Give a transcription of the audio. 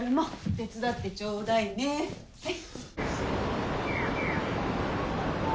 手伝ってちょうだいねはい。